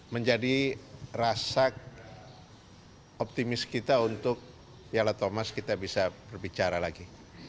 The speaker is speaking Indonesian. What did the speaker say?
menjadi rasa optimis kita untuk piala thomas kita bisa berbicara lagi